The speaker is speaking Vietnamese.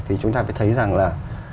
thì chúng ta phải thấy rằng là